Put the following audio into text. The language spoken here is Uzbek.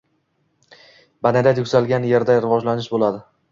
Madaniyat yuksalgan yerda rivojlanish bo‘ladi